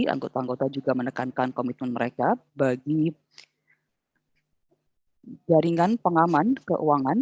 anggota anggota juga menekankan komitmen mereka bagi jaringan pengaman keuangan